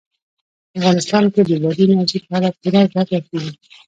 افغانستان کې د بادي انرژي په اړه پوره زده کړه کېږي.